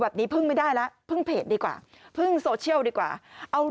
พึ่งไม่ได้แล้วพึ่งเพจดีกว่าพึ่งโซเชียลดีกว่าเอา